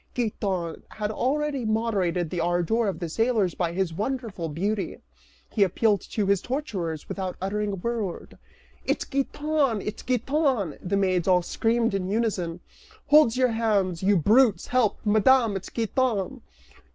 Giton had already moderated the ardor of the sailors by his wonderful beauty, he appealed to his torturers without uttering a word. "It's Giton! It's Giton!" the maids all screamed in unison. "Hold your hands, you brutes; help, Madame, it's Giton!"